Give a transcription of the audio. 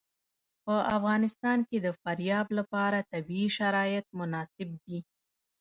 په افغانستان کې د فاریاب لپاره طبیعي شرایط مناسب دي.